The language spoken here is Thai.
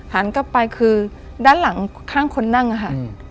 หันกลับไปคือด้านหลังข้างคนนั่งอะค่ะ